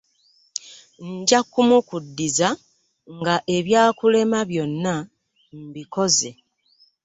Nja kumukuddiza nga ebyakulema byonna mbikoze.